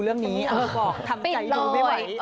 เสียจรับ